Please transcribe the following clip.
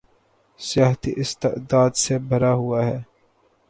سیاحتی استعداد سے بھرا ہوا ہے